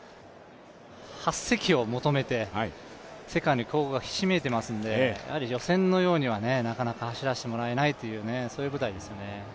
８席を求めて世界の強豪がひしめいていますので予選のようにはなかなか走らせてもらえないという舞台ですよね。